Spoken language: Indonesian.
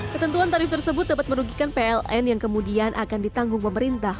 ketentuan tarif tersebut dapat merugikan pln yang kemudian akan ditanggung pemerintah